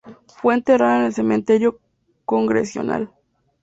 Fue enterrada en el Cementerio Congressional.